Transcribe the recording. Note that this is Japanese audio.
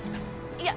いや。